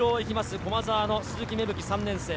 駒澤の鈴木芽吹３年生。